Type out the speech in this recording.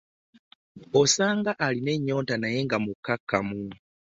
Osanga alina ennyota naye nga mukkakkamu.